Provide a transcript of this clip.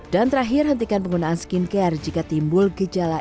dan terakhir hentikan penggunaan skincare jika anda tidak memiliki kesehatan kulit anda